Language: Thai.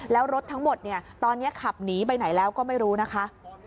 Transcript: แล้วรถทั้งหมดเนี่ยตอนนี้ขับหนีไปไหนแล้วก็ไม่รู้นะคะ